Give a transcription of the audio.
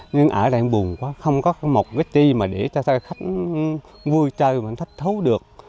nhưng ở đây bùn quá không có một vết ti mà để cho khách vui chơi thích thấu được